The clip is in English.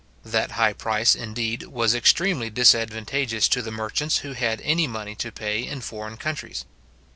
That high price, indeed, was extremely disadvantageous to the merchants who had any money to pay in foreign countries.